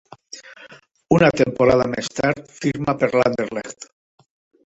Una temporada més tard firma per l'Anderlecht.